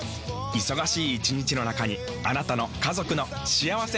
忙しい一日の中にあなたの家族の幸せな時間をつくります。